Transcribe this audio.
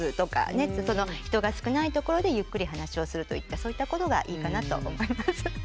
人が少ないところでゆっくり話をするといったそういったことがいいかなと思います。